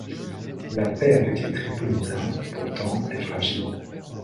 La paix avec les Tripolitains, pourtant, est fragile.